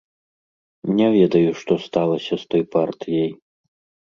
Не ведаю, што сталася з той партыяй.